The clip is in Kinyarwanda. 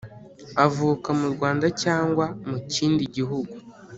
Avuka mu Rwanda cyangwa mu kindi gihugu .